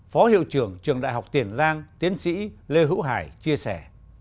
phó hiệu trưởng trường đại học tiền giang tiến sĩ lê hữu hải chia sẻ